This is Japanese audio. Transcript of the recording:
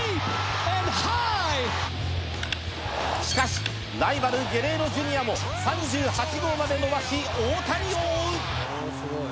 しかしライバルゲレーロＪｒ．も３８号まで伸ばし大谷を追う。